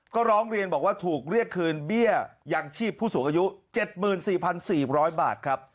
ก็ร้องเรียนบอกว่าถูกเรียกคืนเบี้ยยังชีพผู้สูงอายุ๗๔๔๐๐บาทครับ